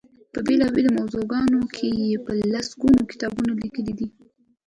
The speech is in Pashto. په بېلا بېلو موضوعګانو کې یې په لس ګونو کتابونه لیکلي دي.